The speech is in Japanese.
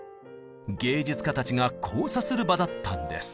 芸術家たちが交差する場だったんです。